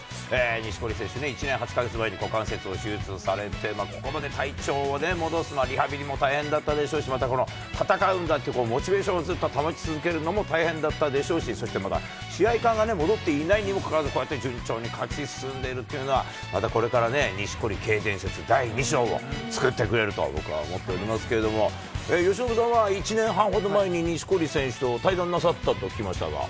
錦織選手ね、１年８か月前に股関節を手術されて、ここまで体調戻すのはリハビリも大変だったでしょうし、またこの戦うんだっていうモチベーションをずっと保ち続けるのも大変だったでしょうし、そしてまた試合勘が戻っていないにもかかわらずこうやって順調に勝ち進んでいるというのはまたこれからね、錦織圭伝説第２章を作ってくれると僕は思っておりますけれども、由伸さんは１年半ほど前に錦織選手と対談なさったと聞きましたが。